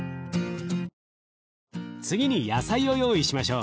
次に野菜を用意しましょう。